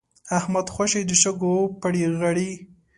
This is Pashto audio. احمد خوشی د شګو پړي غړي.